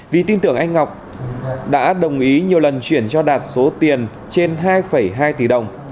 vì tin tưởng anh ngọc đã đồng ý nhiều lần chuyển cho đạt số tiền trên hai hai tỷ đồng